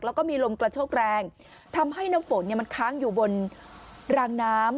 แล้วก็มีลมกระโชกแรงทำให้น้ำฝนเนี่ยมันค้างอยู่บนรางน้ำ